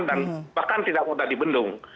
dan bahkan tidak mudah dibendung